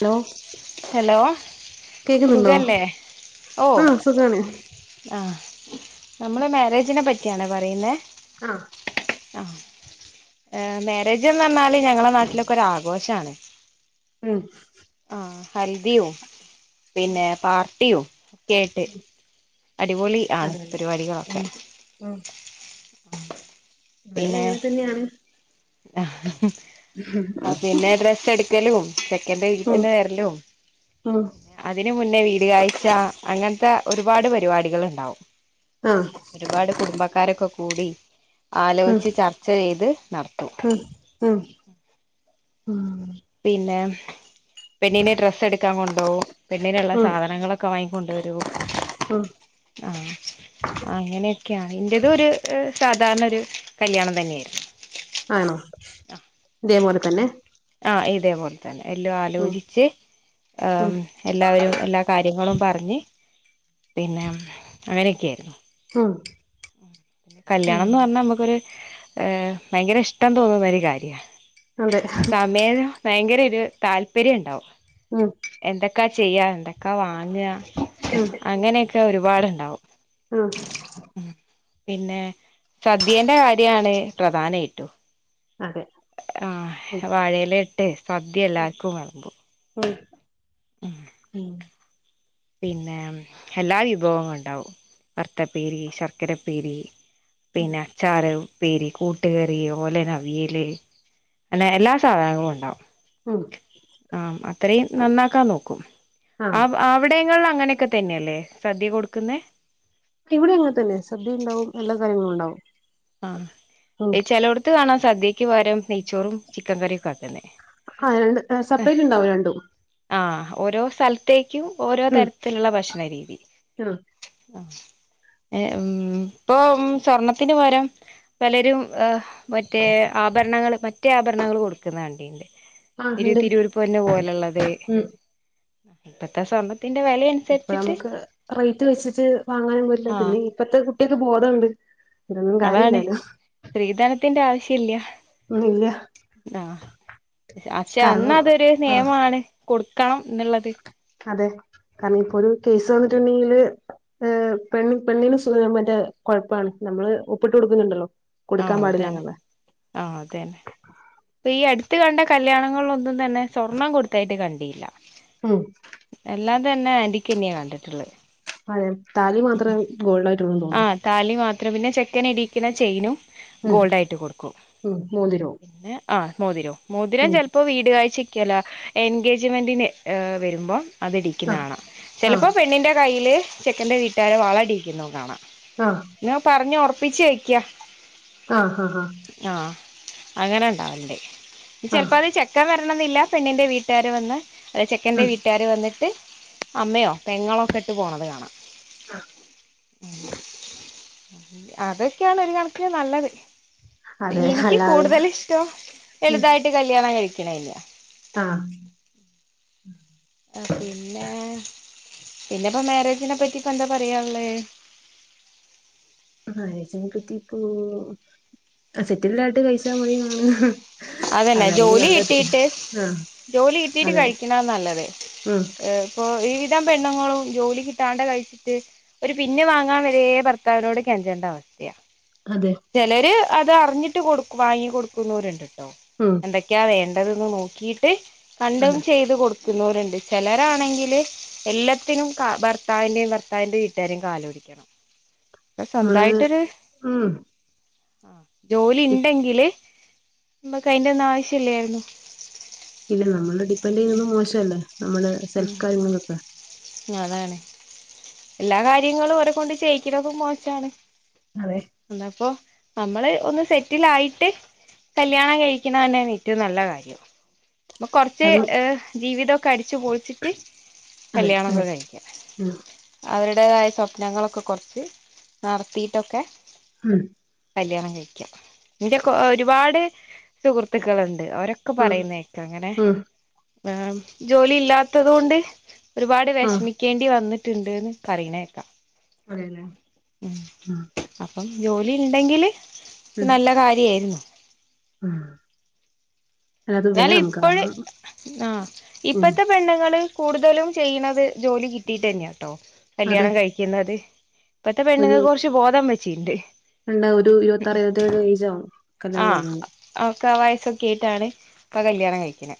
Hello hello കേക്കുന്നുണ്ടോ സുഖല്ലേ ആഹ് സുഖാണ് ആഹ് നമ്മള് മേരേജിനെ പറ്റിയാണേ പറയുന്നെ ആഹ് ഏഹ് മേരേജ് എന്ന് പറഞ്ഞാല് ഞങ്ങളെ നാട്ടിലൊക്കെ ഒരു ആഘോഷാണ് ഉം ആഹ് ഹൽദിയും പിന്നെ പാർട്ടിയും ഒക്കെ ആയിട്ട് അടിപൊളി ആണ് അതെലേ ഉം പരിപാടികളൊക്കെ ഉം ഇവിടെം അങ്ങനെ തന്നെയാണ് ആഹ് പിന്നെ ഡ്ര സ്സെട്ക്കലും ചെക്കന്റെ ഉം വീട്ടില് വരലും ഉം അതിന് മുന്നേ വീട്കാഴ്ച അങ്ങൻത്തെ ഒരുപാട് പരിപാടികൾ ഇണ്ടാവും ആഹ് ഒരുപാട് കുടുംബക്കാരൊക്കെ കൂടി ഉം ആലോചിച്ച് ചർച്ച ചെയ്ത് നട ഉം ഉം ഉം പിന്നെ പെണ്ണിനെ ഡ്രെസ്സ് എടുക്കാൻ കൊണ്ടോകും പെണ്ണിനുള്ള ഉം സാധനങ്ങളൊക്കെ വാങ്ങിക്കൊണ്ട് വരും ഉം ആഹ് അങ്ങനെക്ക്യാണ് എന്റേതൊര് എഹ് സാധാരണൊര് കല്ല്യാണം തന്നെയിര്ന്ന്. ആണോ ഇതേപോലെ തന്നെ ആഹ് ഇതേപോലെ തന്നെ എല്ലോം ഉം ആലോചിച്ച് ഉം ആം എല്ലാവരും എല്ലാ കാര്യങ്ങളും പറഞ്ഞ് പിന്നെ അങ്ങനെക്കെയിര്ന്നു. ഉം ഉം കല്യാണം ന്ന് പറഞ്ഞാ നമുക്കൊര് ഏഹ് ഭയങ്കര ഇഷ്ടം തോന്ന്ന്നൊരു കാര്യാ. അതെ അ സമയം ഭയങ്കരൊരു താല്പര്യണ്ടാവും. ഉം എന്തക്കാ ചെയ്യാ എന്തക്കാ വാങ്ങ ഉം അങ്ങനെക്കെ ഒരുപാട്ണ്ടാവും. ഉം ഉം പിന്നെ സദ്യേന്റെ കാര്യാണ് പ്രധാനായിട്ടും. അതെ ഉം ആഹ് വാഴയിലെട്ട് സദ്യ ഉം എല്ലാർക്കും വെളമ്പും. ഉം ഉം പിന്നെം എല്ലാ വിഭവ [unintelligible] ണ്ടാവും വറ്ത്തപ്പേരി, ശർക്കരപ്പേരി. പിന്നെ അച്ചാറ് പ്പേരി, കൂട്ടുകറി, ഓലൻ, അവിയല് അങ്ങനെ എല്ലാ സാധനങ്ങളുണ്ടാവും. ഉം ആഹ് അത്രയും നന്നാക്കാൻ നോക്കും ആ ബ് ആഹ് ഇവടെങ്ങൾള്ളങ്ങനെക്കെ തന്നെല്ലേ സദ്യ കൊട്ക്ക്ന്നെ. ഇവടെ അങ്ങൻ തെന്നെ സദ്യ ഉണ്ടാവും എല്ലാ കാര്യങ്ങളും ഉണ്ടാവും. ആഹ് ഉം എഹ് ചെലോട്ത്ത് കാണാ സദ്യയ്ക്ക് പകരം നെയ്ച്ചോറും ചിക്കൻ കറ്യൊക്കാക്ക്ന്നേ ആഹ് രണ്ട് സെപ്പറേറ്റ് ഉണ്ടാവും രണ്ടും ആഹ് ഓരോ സ്ഥൽത്തേക്കും ഓരോ തരത്തില്ള്ള ഭക്ഷണരീതി ഉം ആഹ് എഹ് ഉം ഇപ്പൊ സ്വർണത്തിന് പകരം പലരും എഹ് മറ്റേ ആഭരണങ്ങള് മറ്റേ ആഭരണങ്ങള് കൊട്ക്ക്ന്നെ കണ്ടിണ്ട്. ആഹ് ഉണ്ട് ഇരുത്തിരൂർപ്പ് പൊന്ന് പോലള്ളത് ഉം ഇപ്പത്തെ സ്വർണ്ണത്തിന്റെ വെലെ ഇപ്പം അമക്ക് റെയ്റ്റ് വെച്ച്ട്ട് വാങ്ങാനും പറ്റില്ല ആഹ് പിന്നെ ഇപ്പത്തെ കുട്ട്യെക്ക് ബോധണ്ട്. ഇതൊന്നും അതാണ് കാര്യല്ലാല്ലോ. സ്ത്രീധനത്തിന്റെ ആവശ്യല്ല. ഒന്നുല്ല സാഹ് പക്ഷെ കാരണം അന്നതൊര് ആഹ് നിയമാണ്. കൊട്ക്കണം എന്ന്ള്ളത്. അതെ കാരണം ഇപ്പൊ ര് കേസ് വന്നിട്ടുണ്ടെങ്കില് ഏഹ് പെണ്ണ് പെണ്ണിന് സുഖ [unintelligible] മറ്റേ കൊഴപ്പാണ് നമ്മള് ഒപ്പിട്ട് കൊട്ക്ക്ന്ന്ണ്ടല്ലോ. ആഹ് തെന്നെ ആഹ് തെന്നെ ഇപ്പ ഈ അട്ത്ത് കണ്ട കല്യാണങ്ങൾലൊന്നും തന്നെ സ്വർണം കൊട്ത്തായിട്ട് കണ്ടില്ല. ഉം എല്ലാം തന്നെ ആന്റിക്കെന്യാ കണ്ടിട്ട്ള്ളെ അതേ താലി മാത്രേ ഗോൾഡായിട്ട്ള്ളന്ന് തോന്ന്ന്നു. ആഹ് താലി മാത്രം പിന്നെ ചെക്കന് ടീക്ക്ണ ചെയിനും ഉം ഗോൾഡായിട്ട് കൊട്ക്കും ഉം മോതിരവും പിന്നെ ആഹ് മോതിരം മോതിരം ഉം ചെല് പ്പോ വീട് കാഴ്ചക്കല്ല എൻഗേജ്മെൻ്റിന് ഏഹ് വെരുമ്പം അത് ടീക്ക്ന്ന ആഹ് കാണാ ചെലപ്പോ ആഹ് പെണ്ണിന്റെ കയ്യില് ചെക്കന്റെ വീട്ടാര് വള ടീക്കുന്നോം കാണാം. ആഹ് ന്ന പറഞ്ഞ് ഉറപ്പിച്ച് വെയ്ക്കാം. ആഹ് ആഹ് ആഹ് ആഹ് അങ്ങനെ ഉണ്ടാവുണ്ട് ആഹ് ചെലപ്പോ അത് ചെ ചെക്കൻ വരണമെന്നില്ല പെണ്ണിന്റെ വീട്ടുകാര് വന്ന്. അത് ചെക്കന്റെ ഉം വീട്ടുകാര് വന്നിട്ട് അമ്മയോ പെങ്ങളോ ഒക്കെ ഇട്ട് പോണത് കാണാം. അതൊക്കെയാണ് ഒരു കണക്കിന് നല്ലത്. അതെ എനിക്ക് അല്ലാതെ കൂടുതൽ ഇഷ്ടം ഉം എളുതായിട്ട് കല്യാണം കഴിക്കണ തന്നെയാ ആഹ് ആഹ് പിന്നെ പിന്നെപ്പം മാരേജിനെ പറ്റി ഇപ്പൊ എന്താ പറയാൻ ഉള്ള്. മാരേജിനെപറ്റി ഇപ്പോ സെറ്റിൽഡ് ആയിട്ട് കഴിച്ചാ മതിയെന്നാണ്. അതന്നെ ജോലി കിട്ടിയിട്ട് ആഹ് ജോലി കിട്ടീട്ട് അതെ കഴിക്കണതാ നല്ലത്. ഉം ഇപ്പോ ഒരു വിധം പെണ്ണുങ്ങളും ജോലി കിട്ടാണ്ട് കഴിച്ചിട്ട്. ഒരു പിന്ന് വാങ്ങാൻ വരെ ഭർത്താവിനോട് കെഞ്ചണ്ട അവസ്ഥയാ. അതെ ചിലര് അത് അറിഞ്ഞിട്ട് കൊടു വാങ്ങി കൊടുക്കുന്നവരുണ്ട്. ഇട്ട്ടോ ഉം എന്തൊക്കെയാ വേണ്ടതെന്ന് നോക്കിട്ട്. കണ്ടും അതെ ചെയ്ത് കൊടുക്കുന്നവരുണ്ട്. ചിലരാണെങ്കില് എല്ലാത്തിനും ഭർത്താവിന്റെയും ഭർത്താവിന്റെ വീട്ടുകാരെയും കാല് പിടിക്കണം. അപ്പം നമ്മള് സ്വന്താമായിട്ടൊര്. ഉം ആഹ് ജോലി ഡി- ഉണ്ടെങ്കില് നമ്മക്ക് അയിന്റെ ഒന്നും ആവശ്യം ഇല്ലായിരുന്നു. ഇല്ല നമ്മള് ഡിപ്പെെൻഡ് ചെയ്യുന്നത് മോശമല്ലേ നമ്മളെ സെൽഫ് ഉം കാര്യങ്ങൾക്കൊക്കെ. അതാണ് എല്ലാ കാര്യങ്ങളും ഓരെ കൊണ്ട് ചെയ്യിക്കുന്നതും മോശണ്. അതെ അപ്പൊ നമ്മള് ഒന്ന് സെറ്റില് ആയിട്ട്. കല്യാണം കഴിക്കുന്നത് തന്നെയാണ് ഏറ്റവും നല്ല കാര്യം. അപ്പം കൊറച്ച് അത് ജീവിതമൊക്കെ അടിച്ചുപൊളിച്ചിട്ട്. അതെ കല്യാണൊക്കെ കഴിക്കാം. ഉം അവരുടേതായ സ്വപ്നങ്ങളൊക്കെ കുറച്ച് നടത്തിയിട്ടൊക്കെ. ഉം കല്യാണം കഴിക്കാ ഇന്റെക്കെ ഒരുപാട് സുഹൃത്തുക്കള്ണ്ട്. അവരൊ ക്കെ ഉം പറയുന്നക്കെ ഉം ഉം അങ്ങനെവേ ജോലി ഇല്ലാത്തത് കൊണ്ട്. ഒരുപാട് ആഹ് വെഷമിക്കേണ്ടി വന്നിട്ട്ണ്ട്ന്ന്. പറയണേക്കാം. അതെല്ലേ ഉം അപ്പം ജോലി ഇണ്ടെങ്കില് ഉം നല്ല കാര്യേരുന്നു ഉം അല്ല അത് വേണം എന്നാലിപ്പഴ് കാരണം ആഹ് ഉം ഇപ്പത്തെ പെണ്ണങ്ങള് കൂടുതലും ചെയ്യ്ണത് ജോലി കിട്ടീട്ട് തന്നെയാട്ടോ അതെ കല്യാണം കഴി ക്ക്ന്നത് ഇപ്പത്തെ പെണ്ണുങ്ങക്ക് കുറച്ച് ബോധം വെച്ചിണ്ട്. ഇണ്ട് ഒരു ഇരുപത്തിാറു ഇരുപത്തേഴ് ഏജ് ആവും കല്യാണം കഴിയുമ്പോ ഒക്കാ വയസ്സൊക്കെട്ടാണ് ഇപ്പൊ കല്യാണം കഴിക്ക്ണ്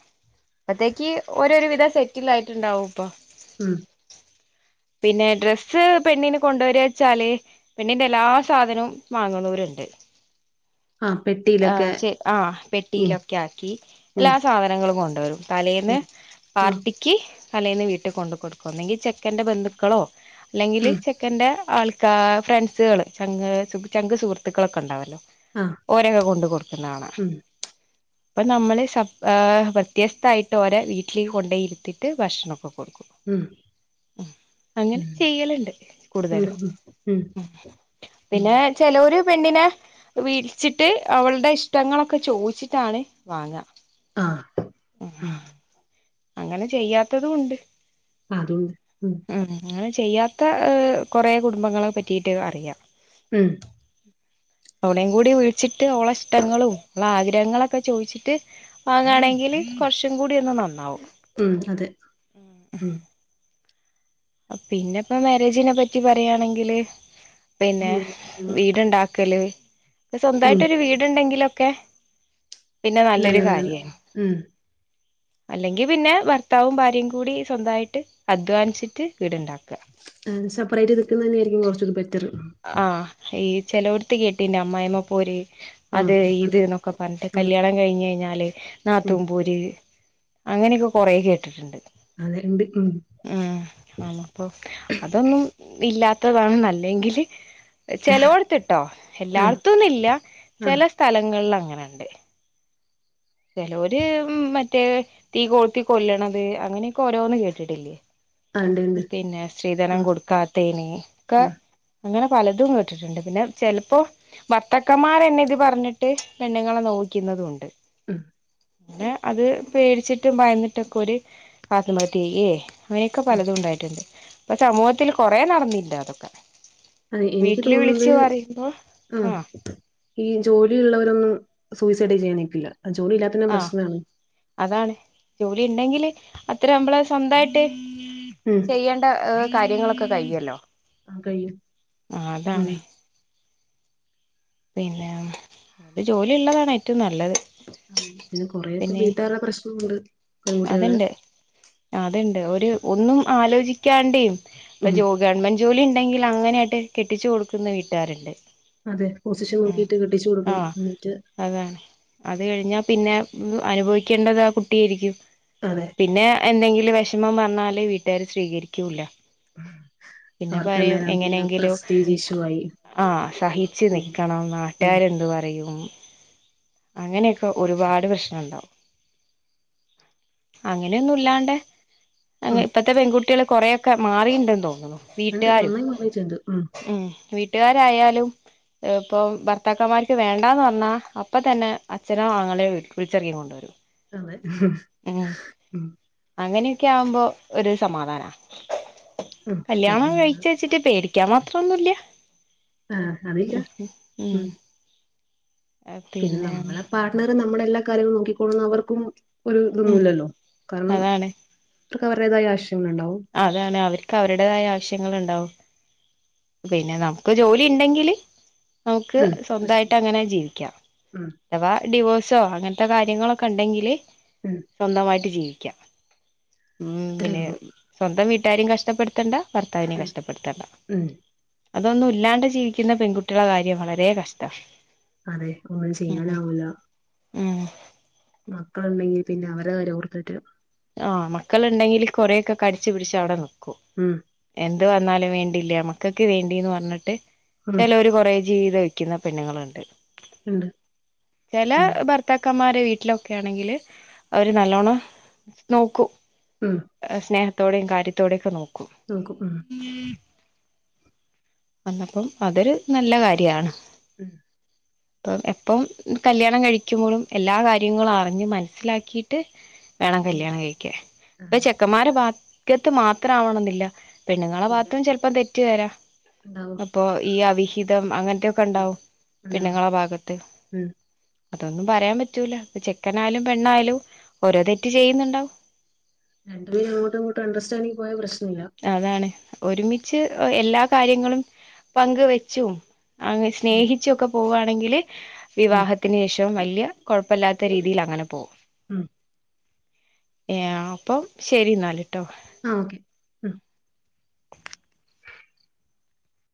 അപ്പത്തേക്ക് ഓരോരു വിധം സെറ്റിൽ ആയിട്ട്ണ്ടാവും. ഇപ്പൊ ഉം പിന്നെ ഡ്രസ്സ് പെണ്ണിന് കൊണ്ടുവരാച്ചാല്. പെണ്ണിന്റെ എല്ലാ സാധനവും വാങ്ങുന്നൂരുണ്ട്. ആഹ് പെട്ടി ആഹ് ചെ ആഹ് പെട്ടിയിലൊക്കെ ആക്കി ഉം എല്ലാ സാധനങ്ങളും കൊണ്ടെരും തലേന്ന് ഉം ഉം പാർട്ടി ക്കി തലേന്ന് വീട്ടി കൊണ്ടകൊടുക്കു ഒന്നുങ്കി ചെക്കൻ്റെ ബന്ധുക്കളോ അല്ലെങ്കില് ഉം ചെ ക്കൻ്റെ ആൾക്കാ ഫ്രണ്ട്സുകള് ചങ്ക് ചങ്ക് സുഹൃത്തുക്കളൊക്കെണ്ടാവല്ലോ ആഹ് ഓരൊക്കെ കൊണ്ട് കൊടുക്കുന്ന കാണാ ഉം ഇപ്പം നമ്മള് സപ് ആഹ് വ്യത്യസ്തായ്ട്ട് ഒരേവീട്ടിലേക്ക് കൊണ്ടോയിരുത്തീട്ട് ഭക്ഷണൊക്കെ കൊടുക്കും ഉം ഉം അങ്ങനെ ഉം ചെയ്യലുണ്ട് ഉണ്ട് കൂടുതലും ഉം ഉം ഉം പിന്നെ ചെലോര് പെണ്ണിനെ വീ ച്ചിട്ട് അവളുടെ ഇഷ്ടങ്ങളൊക്കെ ചോയിച്ചിട്ടാണ് വാങ്ങ ആഹ് ഉം ആഹ് അങ്ങനെ ചെയ്യാത്തതും ഉണ്ട് അതൂണ്ട് ഉം ഉം അങ്ങനെ ചെയ്യാത്ത കൊറേ കുടുംബങ്ങള പറ്റീട്ട് അറിയാ ഉം ഓളേ കൂടി വിള്ച്ചിട്ട് ഓള ഇഷ്ടങ്ങളും ഓള ആഗ്രഹങ്ങളൊക്കെ ചോയിച്ചിട്ട് വാങ്ങാണെങ്കില് കൊറച്ചുംകൂടി ഒന്ന് നന്നാവും ഉം അതെ ഉം പിന്നെപ്പ മാരേജിനെ പറ്റി പറയാണെങ്കില് പിന്നെ ഉം ഉം വീടുണ്ടാക്കല് ഉം സൊന്തായിട്ടൊരു വീടുണ്ടെങ്കിലൊക്കെ പിന്നെ നല്ലൊരു നല്ലതാണ് കാര്യായി ഉം അല്ലെങ്കി പിന്നെ ഭർത്താവും ഭാര്യയും കൂടി സൊന്തായിട്ട് അധ്വാനിച്ചിട്ട് വീടുണ്ടാക്ക ഏഹ് സപ്പറേറ്റ് നിക്കുന്നന്നെ ആയിരിക്കും കൊറചൂടി ബെറ്ററ് ആഹ് ഈ ചെലോട്ത്ത് കേട്ടീന അമ്മായിമ്മ പോര് ഉം അത് അതെ ഇത്ന്നൊക്കെ പറഞ്ഞിട്ട് ഉം കല്യാണം കഴിഞ്ഞഴിഞ്ഞാല് ഉം നാത്തൂംപോര് അങ്ങനെക്കെ കൊറേ കേട്ടിട്ട്ണ്ട് അതിണ്ട് ഉം ഉം ആഹ് അപ്പൊ അതൊന്നും ഇല്ലാത്തതാണ് ന്നല്ലെങ്കില് ചെലോട്ത്ത്ട്ടോ ആഹ് എല്ലാടത്തൊന്നുല്ല ആഹ് ചെലസ്ഥലങ്ങളിൽ അങ്ങനെണ്ട് ചെലോര് മറ്റേ തീ കോത്തി കൊല്ലണത് അങ്ങനെക്കെ ഓരോന്ന് കേട്ടിട്ടില്ലേ ആഹ് ഉണ്ട് ഉണ്ട് പിന്നെ സ്ത്രീധനം ആഹ് കൊടുക്കാത്തേന് ഒക്ക ഉം അങ്ങനെ പലതും കേട്ടിട്ട്ണ്ട് പിന്നെ ചെലപ്പോ ഭത്തക്കാമ്മാരന്നെ ഇത് പറഞ്ഞിട്ട് പെണ്ണുങ്ങളെ നോവിക്കുന്നതൂണ്ട് ഉം പിന്നെ അത് പേടിച്ചിട്ടും ഭയന്നിട്ടൊക്കെ ഒരു അത് മതിയേ പലതും ഉണ്ടായിട്ടുണ്ട് അപ്പൊ സമൂഹത്തിൽ കൊറെ നടന്നീണ്ട് അതൊക്കെ അതെ എനിക്ക് വീട്ടില് വിളിച്ച് തോന്നുന്നത് പറയുമ്പോ ആഹ് ഈ ജോലി ഉള്ളവരൊന്നും സൂയിസൈഡ് ചെയ്യാൻനിക്കില്ല ജോലി ഇല്ലാത്തതിന്റെ ആഹ് പ്രശ്നാണ് അതാണ് ജോലി ഇണ്ടെങ്കില് അത്ര നമ്മള് സ്വന്തായിട്ട് ഉം ചെയ്യേണ്ട ഹ് കാര്യങ്ങളൊക്കെ കഴിയല്ലോ ആ കഴിയും ആഹ് ഉം അതാണെ പിന്ന ഒരു ജോലി ഉള്ളതാണ് ഏറ്റവും നല്ലത് അതെ പിന്നെ കൊറെേയൊക്കെ പിന്നെ വീട്ടുകരുടെ പ്രശ്നമുണ്ട് പെൺകുട്ടികൾടെ അതിണ്ട് ഒരു ഒന്നും ആലോചിക്കാണ്ടേ ഇപ്പ ഉം ജോ ഗവൺമെന്റ് ജോലി ഉണ്ടെങ്കിൽ അങ്ങനെയാട്ട് കെട്ടിച്ചു കൊടുക്കുന്ന വീട്ടുകാരുണ്ട് അതെ പൊസിഷൻ ഉം നോക്കിട്ട് കെട്ടിച്ചു കൊടുക്കും ആഹ് എന്നിട്ട് അതാണ് അത് കഴിഞ്ഞാൽ പിന്നെ അനുഭവിക്കേണ്ടത് ആഹ് കുട്ടിയായിരിക്കും അതെ പിന്നെ എന്തെങ്കിലും വിഷമം പറഞ്ഞാല് വീട്ടുകാര് സ്വീകരിക്കൂല്ല പിന്നെ അവർക്ക് പറയും അന്നേരം പിന്നെ എങ്ങനെയെങ്കിലും പ്രസ്റ്റീജ് ഇഷ്യൂ ആയി ആഹ് സഹിച്ചു നി ഉം ഉം നാട്ടുകാർ എന്ത് പറയും അങ്ങനെയൊക്കെ ഒരുപാട് പ്രശ്നം ഉണ്ടാവും അങ്ങനെയൊന്നും ഇല്ലാണ്ട് ഉം ഇപ്പത്തെ പെൺകുട്ടികള് കൊറെക്കെ മാറീണ്ടന്ന് തോന്നുന്നു ഉണ്ട് വീട്ടുകാരും നന്നായി മാറിയിട്ടുണ്ട് ഉം വീട്ടുകാരായാലും ഇപ്പം ഭർത്താക്കന്മാർക്ക് വേണ്ടാന്ന് പറഞ്ഞാ അപ്പം തന്നെ അച്ഛനോ ആങ്ങളെോ വിളിച്ചിറക്കി കൊണ്ടു കൊണ്ടരും അതെ ഉം അങ്ങനെയൊക്കെ ആവുമ്പോ ഒരു സമാധാനാ ഉം പിന്നെ കല്യാണോ നമ്മള് കഴിച്ച് വച്ചിട്ട് പേടിക്കാൻ മാത്രോന്നുമില്ല ആഹ് അതില്ല ഉം പിന്നെ നമ്മളെ പാർട്ട്നറെ നമ്മുടെ എല്ലാ കാര്യങ്ങളും നോക്കിക്കോളുന്ന് അവർക്കും ഒരു ഉം ഇതൊന്നുമില്ലല്ലോ കാരണം അതാണ് അവർക്ക് അവരുടേതായ ആവശ്യങ്ങളുണ്ടാവും അതാണ് അവർക്ക് അവരുടേതായ ആവശ്യങ്ങൾ ഉണ്ടാവും പിന്നെ നമുക്ക് ജോലി ഇണ്ടെങ്കില് നമുക്ക് ഉം സ്വന്തമായിട്ട് പ്രശ്നമില്ല അങ്ങനെ ജീവിക്കാം ഉം അഥവാ ഡിവോഴ്സോ അങ്ങനത്തെ കാര്യങ്ങളൊക്കെ ഉണ്ടെങ്കില് ഉം സ്വന്തമായിട്ട് ജീവിക്കാം മ് അത്രേ പിന്നെ ഉള്ളൂ സ്വന്തം വീട്ടാരേയും കഷ്ടപ്പെടുത്തണ്ട ഭർത്താവിനേയും ഉം കഷ്ടപ്പെടുത്തണ്ട ഉം അതൊന്നും ഇല്ലാണ്ട് ജീവിക്കുന്ന പെൺകുട്ടികൾടേ കാര്യം വളരെ കഷ്ടാ അതെ ഒന്നും ഉം ചെയ്യാനാവൂല്ല ഉം മക്കളുണ്ടെങ്കിൽ പിന്നെ അവർടെ കാര്യം ഓർത്തിട്ട് ആഹ് മക്കളുണ്ടെങ്കിൽ കുറെയൊക്കെ കടിച്ചു പിടിച്ച് അവിടെ നിക്കും ഉം എന്ത് വന്നാലും വേണ്ടില്ല മക്കക്ക് വേണ്ടീന്ന് പറഞ്ഞിട്ട് ഉം ചിലര് കൊറേ ജീവിതം വക്കുന്ന പെണ്ണുങ്ങളുണ്ട് ഉണ്ട് ചില ഉം ഭർ ത്താക്കന്മാരെ വീട്ടിലൊക്കെ ആണെങ്കില് അവര് നല്ലോണം നോക്കും ഉം സ്നേഹത്തോടെയും കാര്യത്തോടെയൊക്കെ നോക്കും നോക്കും ഉം വന്നപ്പം അതൊരു നല്ല കാര്യാണ് ഉം അപ്പം എപ്പം കല്യാണം കഴിക്കുമ്പോളും എല്ലാ കാര്യങ്ങളും അറിഞ്ഞ് മനസ്സിലാക്കിയിട്ട് വേണം ഉം കല്യാണം കഴിക്കാൻ ഇപ്പൊ അതെ ചെക്കൻമാരെ ഭാഗ്യത്ത് മാത്രം ആവണെമെന്നില്ല പെണ്ണുങ്ങളെ ഇല്ല ഭാഗത്തും ചെലപ്പൊ തെറ്റു വരാം ഉണ്ടാവും ഇപ്പൊ ഈ അവിഹിതം അങ്ങനത്തെയൊക്കെ ഉം ഇണ്ടാവും ഉണ്ടാവും പെണ്ണുങ്ങളെ ഭാഗത്ത് ഉം അതൊന്നും പറയാൻ പറ്റൂല ചെക്കൻ ആയാലും പെണ്ണായാലും ഓരോ തെറ്റ് ചെയ്യുന്നുണ്ടാവും രണ്ട് പേരും അങ്ങോട്ടും ഇങ്ങോട്ടും അണ്ടർസ്റ്റാഡിങ്ങ് പോയ പ്രശനമില്ല അതാണ് ഒരുമിച്ച് എല്ലാ കാര്യങ്ങളും പങ്ക് വെച്ചും അങ്ങ് ഉം സ്നേഹിച്ചൊക്കെ പോവുവാണെങ്കില് ഉം വിവാഹത്തിന് ശേഷം വല്യ കൊഴപ്പല്ലാത്ത രീതിയിൽ അങ്ങനെ പോകും ഉം ഏ അപ്പം ശരി ഇന്നാല് കേട്ടോ ആഹ് ഒകെ